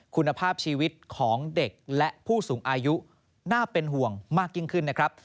คุณภาพชีวิตของเด็กและผู้สูงอายุน่าเป็นห่วงมากยิ่งขึ้นนะครับ